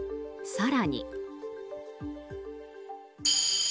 更に。